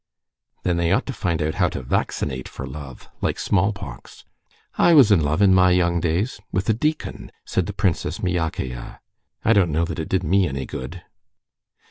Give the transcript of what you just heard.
"Then they ought to find out how to vaccinate for love, like smallpox." "I was in love in my young days with a deacon," said the Princess Myakaya. "I don't know that it did me any good."